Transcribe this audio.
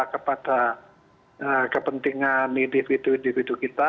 kepada kepentingan individu individu kita